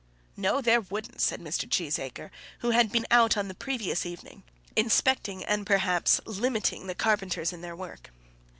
"No; there wouldn't," said Mr. Cheesacre, who had been out on the previous evening, inspecting, and perhaps limiting, the carpenters in their work.